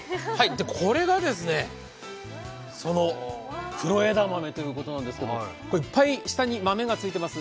これがその黒枝豆ということなんですけどこれいっぱい下に豆がついています。